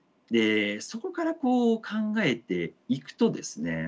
そこからこう考えていくとですね